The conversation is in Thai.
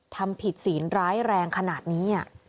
ทำผิดศีลร้ายแรงขนาดนี้